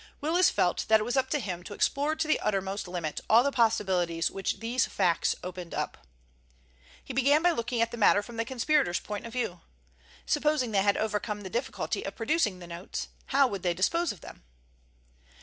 Willis felt that it was up to him to explore to the uttermost limit all the possibilities which these facts opened up. He began by looking at the matter from the conspirators' point of view. Supposing they had overcome the difficulty of producing the notes, how would they dispose of them?